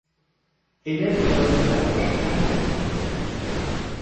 Élève de Paul Delaroche à Paris.